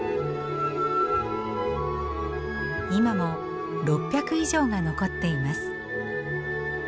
今も６００以上が残っています。